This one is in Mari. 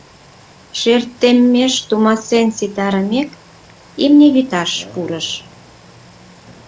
Шер теммеш тумасен ситарымек, имне вӱташ пурыш.